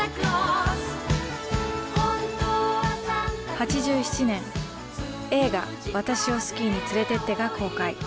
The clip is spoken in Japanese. ８７年映画「私をスキーに連れてって」が公開。